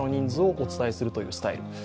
お伝えするというスタイル。